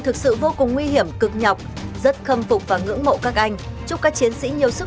thực sự vô cùng nguy hiểm cực nhọc rất khâm phục và ngưỡng mộ các anh chúc các chiến sĩ nhiều sức